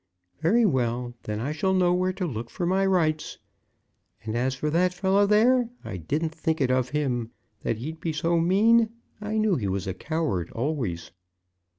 Very well. Then I shall know where to look for my rights. And as for that fellow there, I didn't think it of him, that he'd be so mean. I knew he was a coward always."